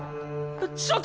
ちょっと！